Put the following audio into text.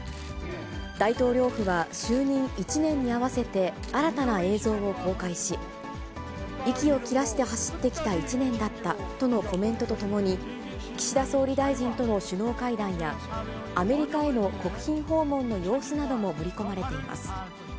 大統領府は就任１年に合わせて、新たな映像を公開し、息を切らして走ってきた１年だったとのコメントと共に、岸田総理大臣との首脳会談や、アメリカへの国賓訪問の様子なども盛り込まれています。